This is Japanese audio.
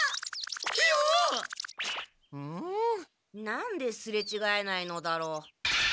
なんですれちがえないのだろう。